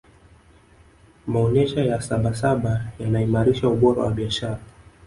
maonesha ya sabasaba yanaimarisha ubora wa biashara